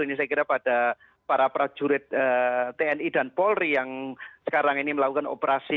ini saya kira pada para prajurit tni dan polri yang sekarang ini melakukan operasi